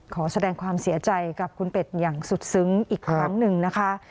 ขอแสดงความเสียใจกับคุณเป็ดอย่างสุดซึ้งอีกครั้งหนึ่งนะคะ